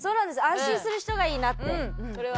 安心する人がいいなって思います。